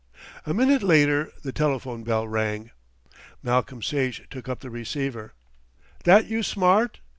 A minute later the telephone bell rang. Malcolm Sage took up the receiver. "That you, Smart?"